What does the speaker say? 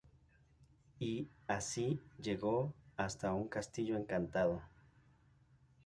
Y así llegó hasta un castillo encantado.